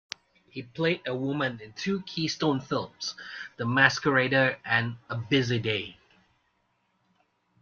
He played a woman in two Keystone films: "The Masquerader" and "A Busy Day".